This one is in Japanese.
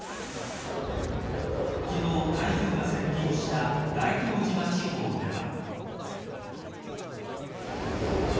昨日、台風が接近した大東島地方では。